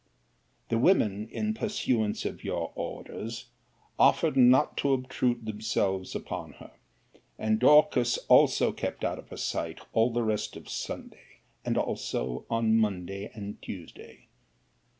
'The women, in pursuance of your orders, offered not to obtrude themselves upon her; and Dorcas also kept out of her sight all the rest of Sunday; also on Monday and Tuesday.